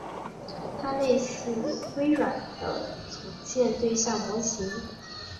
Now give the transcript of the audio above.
它类似微软的组件对象模型。